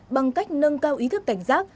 bằng cách nâng cao ý thức cảnh giác